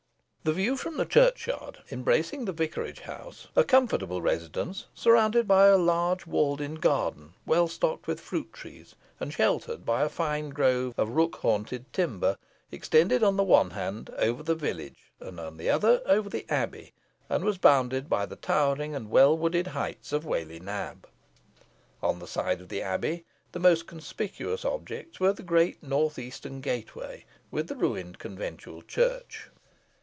The view from the churchyard, embracing the vicarage house, a comfortable residence, surrounded by a large walled in garden, well stocked with fruit trees, and sheltered by a fine grove of rook haunted timber, extended on the one hand over the village, and on the other over the Abbey, and was bounded by the towering and well wooded heights of Whalley Nab. On the side of the Abbey, the most conspicuous objects were the great north eastern gateway, with the ruined conventual church.